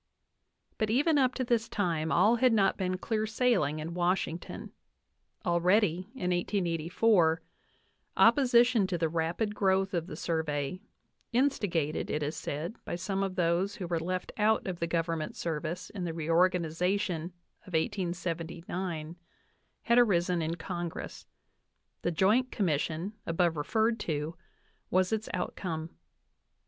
But even up to this time all had not been clear sailing in Washington. Already, in 1884, opposition to the rapid growth of the Survey, instigated, it is said, by some of those who were left out of the Government service in the reorganization of 1879, na d arisen in Congress; the Joint Commission, above referred to, was its outcome.